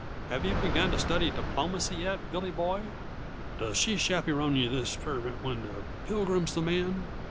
Have you begun to study diplomacy yet, Billy Boy?" "Does she chapyron yuh this fervent when the Pilgrim's the man?"